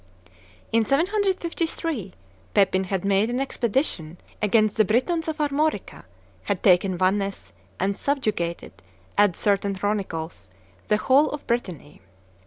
In 753, Pepin had made an expedition against the Britons of Armorica, had taken Vannes, and "subjugated," add certain chroniclers, "the whole of Brittany."